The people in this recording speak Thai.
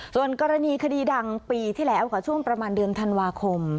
ส่วนกรณีคดีดังปีที่แล้วค่ะช่วงประมาณเดือนธันวาคม